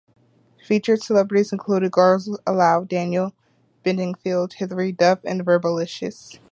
Featured celebrities included Girls Aloud, Daniel Bedingfield, Hilary Duff and Verbalicious.